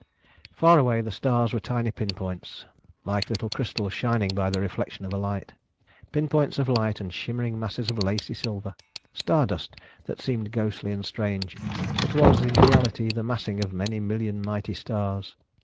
Far away, the stars were tiny pinpoints, like little crystals shining by the reflection of a light. Pinpoints of light and shimmering masses of lacy silver ... star dust that seemed ghostly and strange, but was in reality the massing of many million mighty stars.